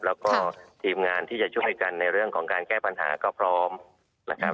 แล้วก็ทีมงานที่จะช่วยกันในเรื่องของการแก้ปัญหาก็พร้อมนะครับ